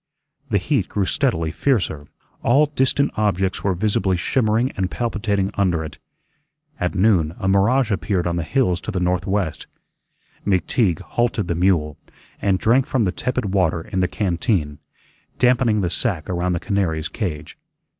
The heat grew steadily fiercer; all distant objects were visibly shimmering and palpitating under it. At noon a mirage appeared on the hills to the northwest. McTeague halted the mule, and drank from the tepid water in the canteen, dampening the sack around the canary's cage.